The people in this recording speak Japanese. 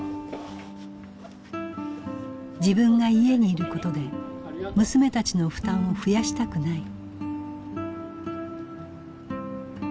自分が家にいることで娘たちの負担を増やしたくない。